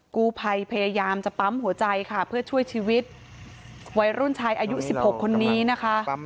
กู้ภัยพยายามจะปั๊มหัวใจค่ะเพื่อช่วยชีวิตวัยรุ่นชายอายุ๑๖คนนี้นะคะ